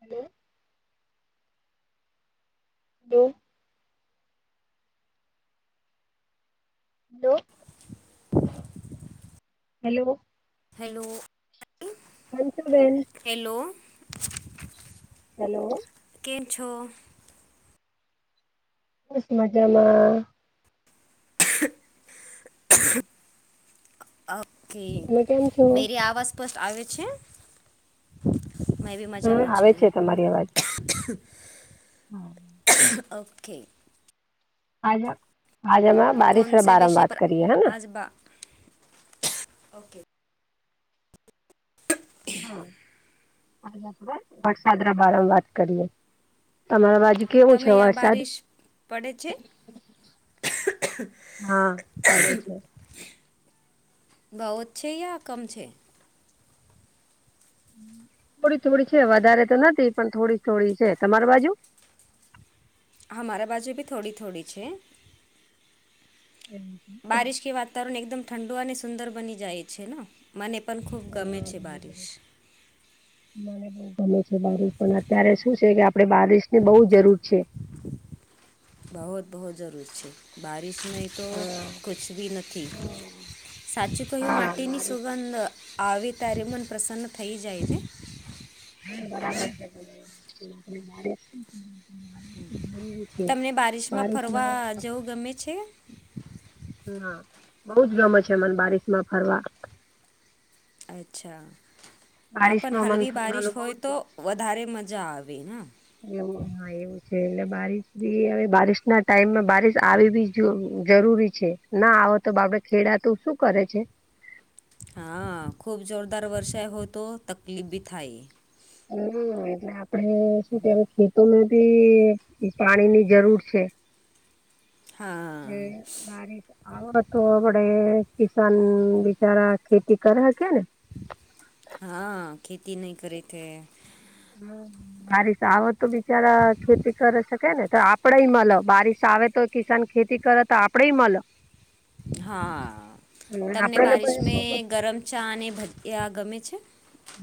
Hello. [inaudible] [inaudible] Hello. Hello. Hansu બેેન. Hello. Hello. કેંમ છો? બસ મજામાં. ઓકે તમે કેમ છો? મેરી આવાસ આવે છે મેબી હમ મજામાં આવે છું. છે હા. ઓકે. હાજ આજમા બારિશના બારામાં બાત કરીએ હે. ઓકે. [unintelligible] વસાદ બારમાં વાત કરીએ તમારા બાજું કેવો છે તમે યા વરસાદ? બારિશ પડે છે હા પડે છે. બહું જ છે, યા કમ છે. થોડી થોડી છે વધારે તો નથી પણ થોડી થોડી છે તમારી બાજું? હા મારા બાજુ બી થોડી થોડી છે. એવું છે. બારિશ કે વાતાવરણ એકદમ ઠંડુ અને સુંદર બની જાય છે ને. મને પણ ખૂબ ગમે છે બારિશ. મને બઉ ગમે છે બારિશ પણ અત્યારે શું છે કે આપડે બારીશ ને બહુ જરૂર છે. બહુત બહુ જરૂરી છે બારિશમાં તો હમ. કુછ બી નથી. હમ સાચું કહ્યું હા માટીની મારી સુગંધ આવે ત્યારે મન પ્રસન્ન થઈ જાય છે. બરાબર છે [unintelligible] તમને બારિશમાં બારિશ ના ફરવા હોય જવું ગમે છે? હા બઉ જ ગમે છ મન બારીશ માં ફરવા. અચ્છા. હા પન બારિશમાં મન હળવી બારીશ ફરવાનું બઉ હોય જ તો વધારે મજા આવે ન. એવું હા એવું છ એટલે બારીશ બી હવે બારીશ ના ટાઈમમાં બારીશ આવી બી જો જરૂરી છે. ના આવ તો બાપડે ખેડાતું શું કરે છે. હા ખૂબ જોરદાર વરસાય હો તો તકલીફ બી થાય. હમ એટલે આપણે શું કય ખીત. તો ભી પાણીની જરૂર છે ને હા બારીશ આવડ તો આપડે કિસાન બિચારા ખેતી કરે હકે ને. હા ખેતી નહી કરી તે. હમ. બારિશ આવ તો બિચારા ખેતી કરે શકે ને તો આપડેય મલ બારિશ આવે તો કિસાન ખેતી કર તો આપડેય મલ. હ હા તમને આપડને બારિશ પછી મે શું ગરમ ચા અને ભજીયા ગમે છે?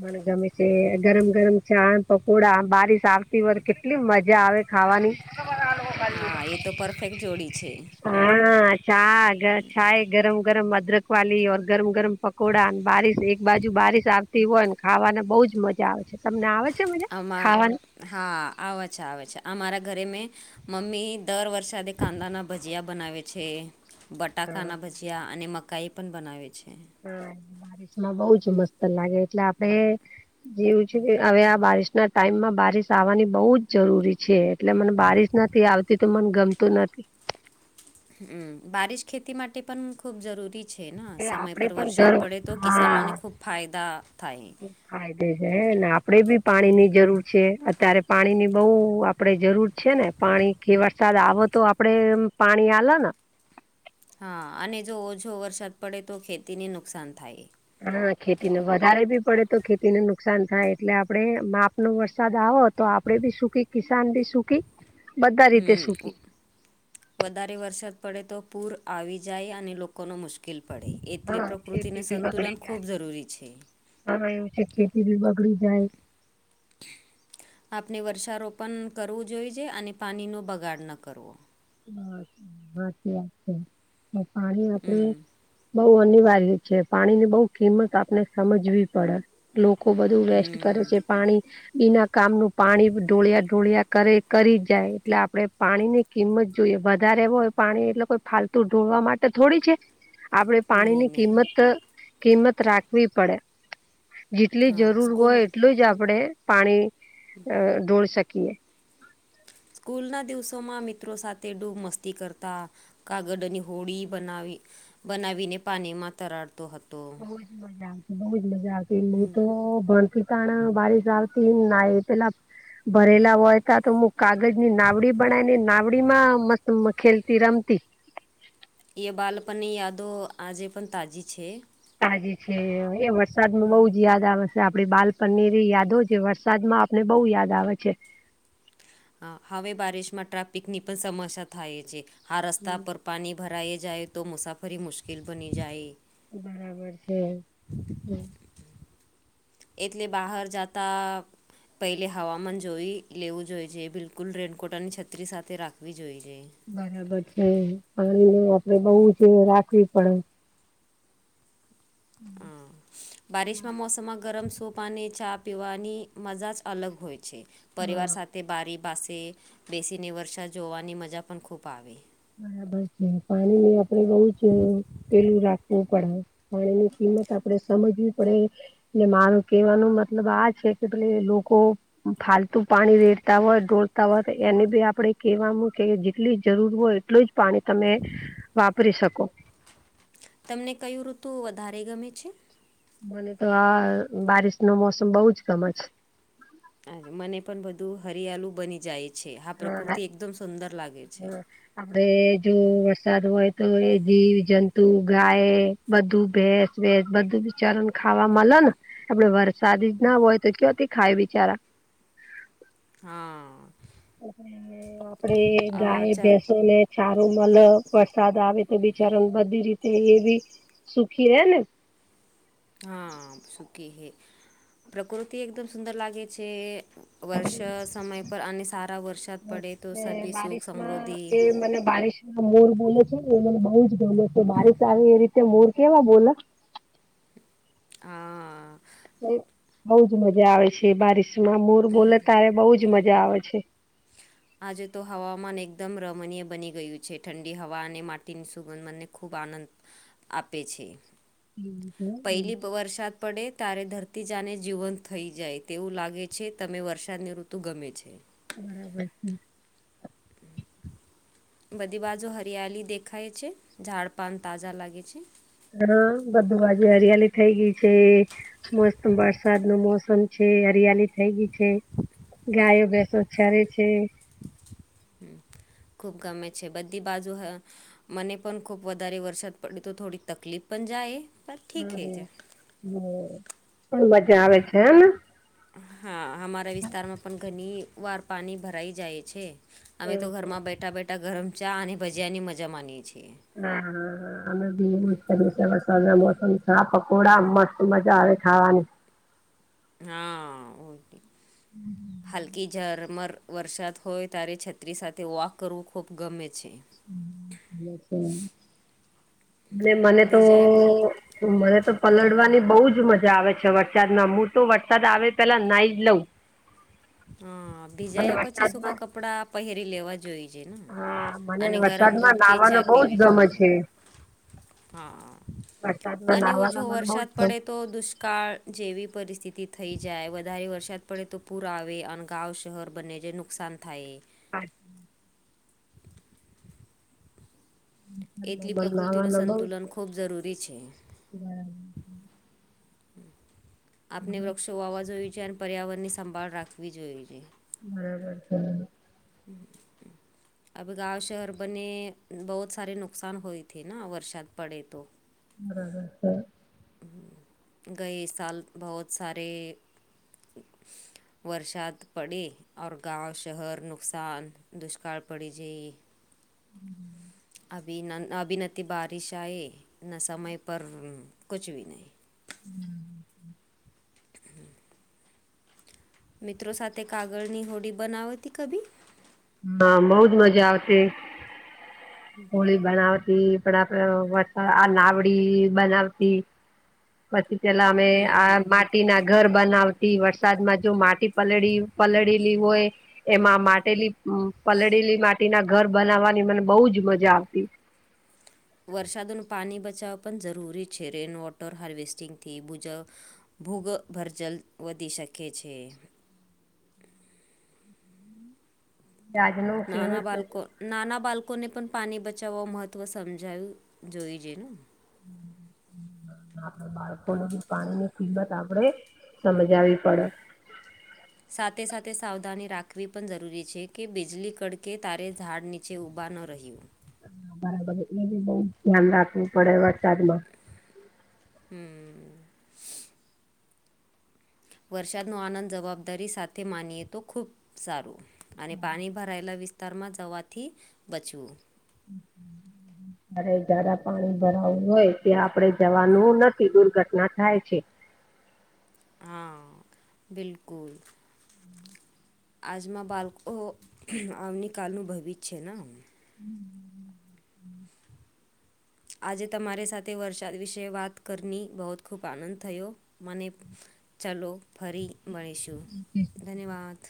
મને ગમે છે ગરમ ગરમ ચા ન પકોડા બારીશ આવતી હોય કેટલી મજા આવે ખાવાની. [unintelligible] હા એ તો પરફેક્ટ જોડી છે. હા ચા ગ ચાય ગરમ ગરમ અદરક ક્વાલી ઓર ગરમ ગરમ પકોડાન બારિશ એક બાજુ બારિશ આવતી હોયન ખાવાના બહુજ મજા આવે છે તમને આવે છે મજા આમાં ખાવાની? હા આવ છ આવે છે અમારા ઘરે મેં મમ્મી દર વરસાદે કાંદાના ભજીયા બનાવે છે બટાકાના ભજીયા અને મકાઈ પન બનાવે છે. હા [unintelligible] બારિશ માં બહું જ મસ્ત લાગે એટલે આપડે જેવું છે કે હવે આ બારિશ ના ટાઈમમાં બારિશ આવવાની બહુ જ જરૂરી છે એટલે મને બારીશ નથી આવતી તો મને ગમતું નથી. હમ બારિશ ખેતી માટે પન ખુબ જરૂરી છે ન એ સમય આપડે પર પણ વરસાદ ઘર પડે તો હા કિસાનોને ખુબ ફાયદા થાય. ફાયદે છે હેને આપડે બી પાણી ની જરૂર છે અતારે પાણીની બહુ આપડે જરૂર છે ને. પાણી કે વરસાદ આવ તો આપડે એમ પાણી આલ ન. હા અને જો ઓછો વરસાદ પડે તો ખેતીને નુકસાન થાય. હા ખેતી ને વધારે બી પડે તો ખેતીને નુકસાન થાય એટલે આપણે માપ નો વરસાદ આવ તો આપડે ભી સુખી કિસાન ભી સુખી. બધા રીતે હમ સુખી ઉ વધારે વરસાદ પડે તો પૂર આવી જાય અને લોકોનો મુશ્કેલ પડે. એટલે હા પ્રકૃતિને ખેતી સંતુલન ખૂબ જરૂરી છે. હ એવું છે ખેતી બી બગડી જાય. આપને વર્ષારોપન કરવું જોઈએ જે અને પાનીનો બગાડ ન કરવો. બ હાચી વાત છે અને પાણી આપડે હમ બહુ અનિવાર્ય છે પાણી ની બહુ કિંમત આપને સમજવી પડ. લોકો બધું વેસ્ટ હમ કરે છે પાણી બીના કામનું પાણી ઢોળિયા ઢોળિયા કરે. કરી જ જાય એટલે આપણેે પાણીની કિંમત જોઈએ વધારે એવું હોય પાણી એટલે કોઈ ફાલતુ ઢોળવા માટે થોડી છે. આપણેે નહીં પાણીની નહીં કિંમત કિંમત રાખવી પડે. જેટલી હા જરૂર સ્કૂલ હોય એટલું જ આપડે પાણી અ ઢોળ શકીએ. સ્કૂલના દિવસોમાં મિત્રો સાથે ડૂબ મસ્તી કરતા. કાગડની હોળી બનાવી બનાવીને પાણીમાં તરાડતો હત બહુ જ મજા આવતી બહુ જ મજા આવતી મુું હમ તો ભલ્ક પણ બારીશ આવતી ના પેલા ભરેલા હોય તા તો કાગજ ની નાવડી બનાવી ને નાવડી માં મત ખેલતી રમતી. એ બાલપની યાદો આજે પણ તાજી છે. તાજી છે એ વરસાદમાં બહુ જ યાદ આવે. આપડી બાલ પનીર યાદો જે વરસાદ માં આપને બહુ યાદ આવે છે. હા હવે બારિશમાં ટ્રાફિકની પણ સમસ્યા થાય છે આ રસ્તા પર પાની ભરાઈ જાય તો મુસાફરી મુશ્કેલ બની જાય. બરાબર છે હમ્મ એટલે બહાર જાતા પહેલે હવામાન જોઈ લેવું જોઈ છે બિલકુલ રેનકોટની છત્રી સાથે રાખવી જોવી જોઈએ. બરાબર છે પાણી નું આપડે બહુ જ રાખવી પડે. હા બારિશમાં મોસમમાં ગરમ સૂપ ને ચા પીવાની મજા જ અલગ હોય છે પરિવાર હા સાથે તે બારી પાસે બેસીને વર્ષા જોવાની મજા પણ ખૂબ આવે. બરાબર છે પાણી ને આપણેે બહ જ પેલું રાખવું પડે પાણીની કિંમત આપણે સમજવી પડે. એટલે માર કેવાનું મતલબ આ છે કે ભલે લોકો ફાલતુ પાણી રેડતા હોય ડોળતા હોય તો એને બી આપડે કેહેવાનું કે જેટલી જરૂર હોય એટલું જ પાણી તમે વાપરી શકો. તમને કયું ઋતુ વધારે ગમે છે? મને તો આ બારિશ નો મોસમ બઉજ ગમે છે. અરે મને પણ બધું હરિયાળું બની જાય છે આ પ્રકૃતિ હા એકદમ સુંદર લાગે છે. હા આપડે જો વરસાદ હોય તો એ જીવ જંતુ ગાય બધું ભેસ વેસ બધું બીચાર ખાવા મલને આપડે વર સાદ જ ના હોય તો કયોથી ખાય બિચારા હા. આપડે ગાય અચ્છા ભેસો ને ચારો મલ વરસાદ આવે એ બિચારા બધી રીતે એ બી સુખી રેને હા સુખી હે પ્રકૃતિ એકદમ સુુંદર લાગે છે. વર્ષ સમય પર અને સારા વરસાદ પડે તો સભી સુખ સમૃદ્ધિ બારિશ ના મોર બોલે છે ને એ મને બઉુ જ બોલે છે બારીશ આવે એ રીતે મોર કેવા બોલે હા. બઉુજ મજા આવે છે એ બારિશમાં મોર બોલે ત્યારે બહુજ મજા આવે છે. આજે તો હવામાન એકદમ રમણીય બની ગયું છે ઠંડી હવા અને માટીની સુગંધ મને ખૂબ આનંદ આપે છે એવું છે. પહેલી વરસાદ પડે તારે ધરતી જાને જીવંત થઈ જાય તેવું લાગે છે તમે વરસાદની ઋતુ ગમે છે બરાબર [inaudible] બધી બાજો હરિયાળી દેખાય છે ઝાડપાન તાજા લાગે છે. હા બધું બાજુ હરિયાલી થઇ ગય છે મસ્ત વરસાદ નું મોસમ છે હરિયાલી થઈ ગઈ છે ગાયો ભેંસો ચરે છે. ખૂબ ગમે છે બધી બાજુ મને પણ ખુબ વધારે વરસાદ પડે તો થોડી તકલીફ પણ જાય. પર ઠીક હે હમ્મ છે હમ્મ પણ મજા આવે છે હેને હા અમારા વિસ્તારમાં પણ ઘણી વાર પાણી ભરાઈ જાય છે. અમે એવું તો છે. ઘરમાં બેઠા બેઠા ગરમ ચા અને ભજીયાની મજા માનીએ છીએ હા હા હા અમે બી [unintelligible] અને મોસમ સા પકોડા મસ્ત મજા આવે ખાવાની. હા હમ હાલકી ઝરમર વરસાદ હોય ત્યારે છત્રી સાથે વોક કરવું ખૂબ ગમે છે એ છે અને મને તો ભીજાયા પ- મને તો પલળવાની બહુ જ મજા આવે છે વરસાદમાં હું તો વરસાદ આવે પેલા નાઈ જ લઉં હા મને ભીજાયા પછી સુૂકા વરસાદમાં કપડા પહેરી લેવા જોઈ હા મને અને ગરમ વરસાદમાં દૂધ કે નાવાનો ચા બહુ જ પીવી જોએ ગમે છે. હા વરસાદમાં અને નાવાનો ઓછો મને બહુ જ વરસાદ પડે તો ગમે તો દુષ્કાળ જેવી પરિસ્થિતિ થઈ જાય વધારે વરસાદ પડે તો પૂર પુર આવે અને ગાવ શહેર બંને ને નુકસાન થાય હા. એટલી પ્રકૃતિનું નાવાનો સંતુલન ખૂબ જરૂરી છે. બરાબર આપણે બરાબર વૃક્ષો વાવા જોઈએ છે અને પર્યાવરણની સંભાળ રાખવી જોઈએ છે. બરાબર હમ્મ. [inaudible] આ બધા ગાંવ શહેર બને બહુ સારારે નુકસાન હોય થી ના વરસાાત પડે તો બરાબર હ ગય સાલ બહુત સારે વરસાદ પડે ઓર ગાંવ શહેર નુકસાન દુષ્કાળ પડી જઈ. હમ્મ. અભી ના અભી ના તે બારિશ આય ના સમય પર કુછ બી નહી. હમ્મ. [inaudible] મિત્રો સાથે કાગળની હોડી બનાવતી કભી હા બઉ જ મજા આવતી [inaudible] હોળી બનાવતી પણ વરસાદ આ નાવડી બનાવતી પછી પેલા અમે આ માં માટી ના ઘર બનાવતી વરસાદમાં જો માટી પલળી પલળેલી હોય. એમાં માટેલી પલળેલી માટીના ઘર બનાવવાની મને બહુ જ મજા આવતી વરસાદોનું પાણી બચાવવા પણ જરૂરી છે રેઇન વોટર હાર્વેસ્ટિંગથી બુજ ભૂગ ભરજલ વધી શકે છે. આજનો નાના કેવો છે બાલ્કોટ નાના બાળકોને પણ પાણી બચાવવા મહત્વ સમજાવું જોઈ છે ને આપ બાળકોને બી પાણી ની કિંમત આપડે સમજાવી હમ્મ. સાથે સાથે સાવધાની રાખવી પણ જરૂરી છે કે બીજળી કડકે તારે ઝાડ નીચે જે ઊબા ન રહીયું હા બરાબર એટલે બી બઉ ધ્યાન રાખવું પડે વરસાદ માં હમ્મ. વરસાદનો આનંદ જવાબદારી સાથે માનીએ તો ખૂબ સારું અને પાણી ભરાયેલા વિસ્ત તારમાં જવાથી બચવું અરે જરા પાણી ભરાવું હોય ત્યાં આપડે જવાનું નથી દુર્ઘટના થાય છે. હા બિલકુલ. આજમાં બાળકો આમની કાલનુંભવિત છે. આજે તમારી સાથે વરસાદ વિશે વાત કરીની બહુ જ ખૂબ આનંદ થયો મને ચાલો ફરી મળીશું ધન્યવાદ